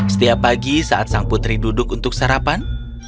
setiap pagi saat sang putri duduk untuk sarapan